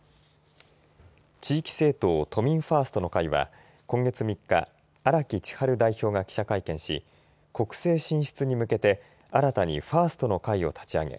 地域政党、都民ファーストの会は今月３日荒木千陽代表が記者会見し国政進出に向けて新たにファーストの会を立ち上げ